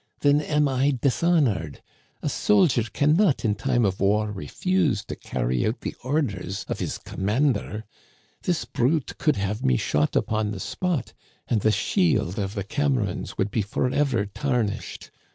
Then am I dishonored. A soldier can not in time of war refuse to carry out the orders of his commander. This brute could have me shot upon the spot, and the shield of the Camerons would be forever tarnished.